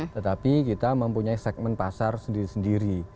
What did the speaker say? tetapi kita mempunyai segmen pasar sendiri sendiri